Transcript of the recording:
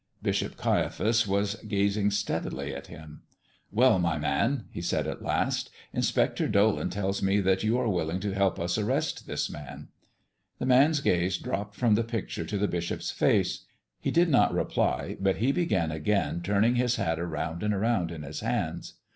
Bishop Caiaphas was gazing steadily at him. "Well, my man," he said, at last, "Inspector Dolan tells me that you are willing to help us arrest this Man." The man's gaze dropped from the picture to the bishop's face. He did not reply, but he began again turning his hat around and around in his hands.